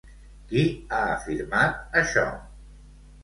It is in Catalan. Qui ha afirmat això?